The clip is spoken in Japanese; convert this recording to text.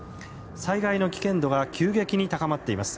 災害の危険度が急激に高まっています。